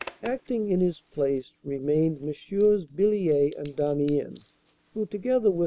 Acting in his place remained MM. Billiet and Damien, who, together with M.